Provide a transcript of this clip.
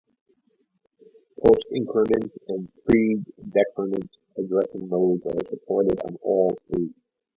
Postincrement and predecrement addressing modes are supported on all three.